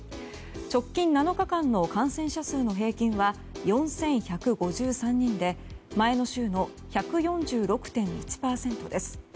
直近７日間の感染者数の平均は４１５３人で前の週の１４６．１％です。